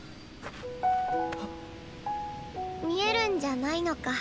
見えるんじゃないのか。